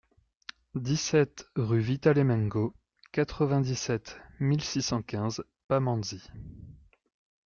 dix-sept rUE VITA LEMENGO, quatre-vingt-dix-sept mille six cent quinze Pamandzi